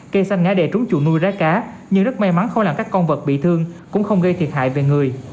cây xanh ngã đè trúng chuộ nuôi trái cá nhưng rất may mắn không làm các con vật bị thương cũng không gây thiệt hại về người